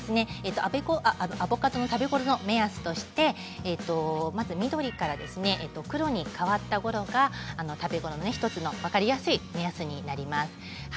アボカドの食べ頃の目安としては緑から黒に変わったころが１つの食べ頃の分かりやすい目安になります。